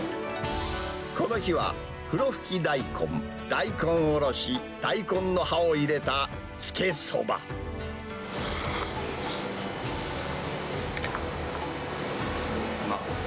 この日は、ふろふき大根、大根おろし、大根の葉を入れた、うまっ。